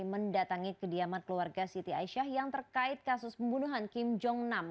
mendatangi kediaman keluarga siti aisyah yang terkait kasus pembunuhan kim jong nam